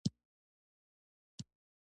ایا زغم لرئ؟